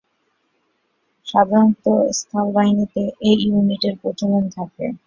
সাধারণত স্থল বাহিনীতে এই ইউনিটের প্রচলন থাকে।